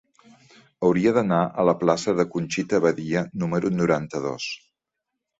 Hauria d'anar a la plaça de Conxita Badia número noranta-dos.